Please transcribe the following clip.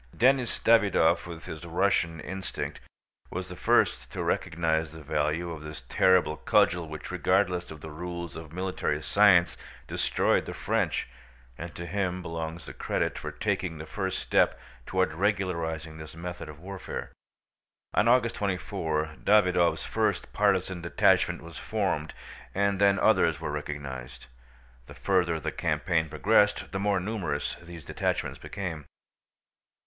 Denís Davýdov, with his Russian instinct, was the first to recognize the value of this terrible cudgel which regardless of the rules of military science destroyed the French, and to him belongs the credit for taking the first step toward regularizing this method of warfare. On August 24 Davýdov's first partisan detachment was formed and then others were recognized. The further the campaign progressed the more numerous these detachments became.